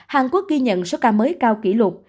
hàn quốc ghi nhận số ca mới cao kỷ lục